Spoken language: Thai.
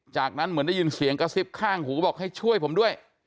จากนั้นเหมือนได้ยินเสียงกระซิบข้างหูบอกให้ช่วยผมด้วย